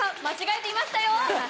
間違えていましたよ！